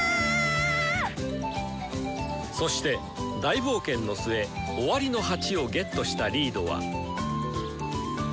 そして大冒険の末「終わりの鉢」をゲットしたリードは。